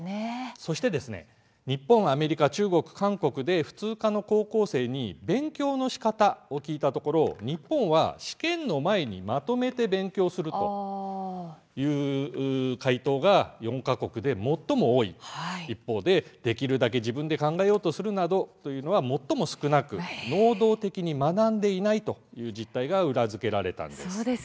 そして日本、アメリカ、中国韓国で普通科の高校生に勉強のしかたを聞いたところ日本は、試験の前にまとめて勉強するという回答が４か国で最も多い一方でできるだけ自分で考えようとするなどといったことは最も少なく能動的に学んでいないという実態が裏付けられたんです。